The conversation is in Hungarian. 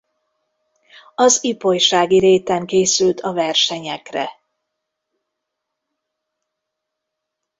Az ipolysági réten készült a versenyekre.